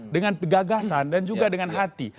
dengan gagasan dan juga dengan hati